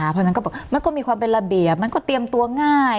เพราะฉะนั้นก็บอกมันก็มีความเป็นระเบียบมันก็เตรียมตัวง่าย